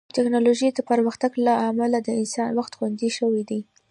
د ټیکنالوژۍ د پرمختګ له امله د انسان وخت خوندي شوی دی.